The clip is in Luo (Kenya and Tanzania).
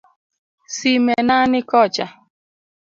Simena ni kocha.